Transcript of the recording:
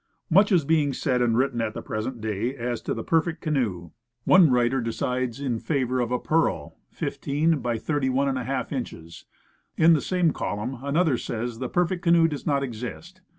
Much is being said and written at the present day as to the "perfect canoe." One writer decides in favor of a Pearl 15x31^ inches. In the same column another says, "the perfect canoe does not exist."